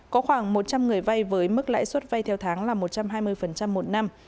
có khoảng một trăm linh người vay với mức lãi suất vay theo tháng là một trăm hai mươi một năm